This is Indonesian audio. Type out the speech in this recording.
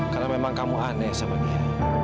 karena memang kamu aneh sama dia